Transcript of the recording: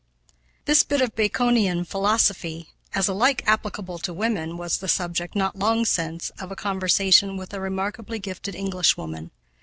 This bit of Baconian philosophy, as alike applicable to women, was the subject, not long since, of a conversation with a remarkably gifted Englishwoman.